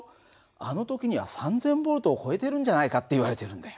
あの時には３，０００Ｖを超えてるんじゃないかっていわれてるんだよ。